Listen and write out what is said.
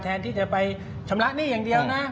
แทนที่จะไปชำระหนี้อย่างเดียวนะ